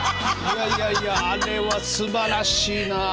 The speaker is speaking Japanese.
いやいやいやあれはすばらしいなあ。